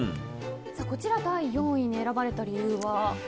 こちら第４位に選ばれた理由は？